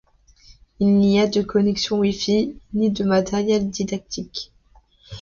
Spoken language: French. Il n'y a de connexion wifi, ni de matériel didactique.